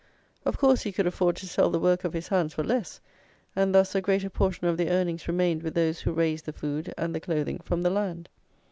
Of course he could afford to sell the work of his hands for less; and thus a greater portion of their earnings remained with those who raised the food and the clothing from the land.